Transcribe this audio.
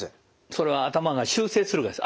それは頭が修正するからです。